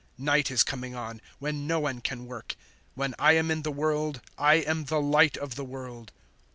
Night is coming on, when no one can work. 009:005 When I am in the world, I am the Light of the world."